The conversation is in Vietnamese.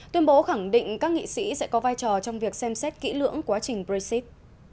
tuyên bố khẳng định các nghị sĩ sẽ có vai trò trong việc xem xét kỹ lưỡng quá trình brexit